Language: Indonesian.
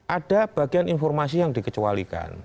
ada bagian informasi yang dikecualikan